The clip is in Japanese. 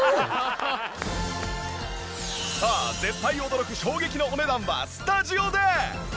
さあ絶対驚く衝撃のお値段はスタジオで！